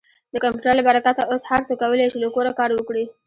د کمپیوټر له برکته اوس هر څوک کولی شي له کوره کار وکړي.